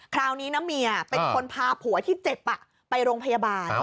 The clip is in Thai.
คราวนี้นะเมียเป็นคนพาผัวที่เจ็บไปโรงพยาบาล